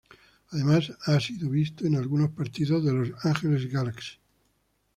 Además ha sido visto en algunos partidos de Los Ángeles Galaxy.